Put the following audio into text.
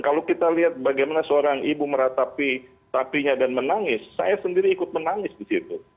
kalau kita lihat bagaimana seorang ibu meratapi sapinya dan menangis saya sendiri ikut menangis di situ